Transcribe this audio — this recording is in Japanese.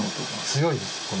強いです。